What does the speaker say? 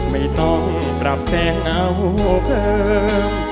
ไม่ต้องปรับแสงเอาเพิ่ม